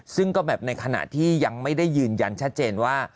ซึ่งก็แบบในขณะที่ยังไม่ได้ยืนยันชัดเจนว่า